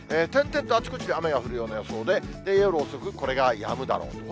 点々とあちこちで雨が降るような予想で、夜遅く、これがやむだろう。